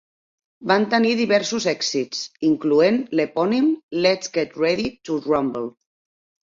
Van tenir diversos èxits, incloent l'epònim Let's Get Ready to Rhumble.